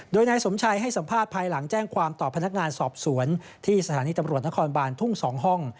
โดยนายสมชัยให้สัมภาษณ์ภายหลังแจ้งความต่อพนักงานสอบสวนที่สถานีตำรวจนครบานทุ่ง๒ห้อง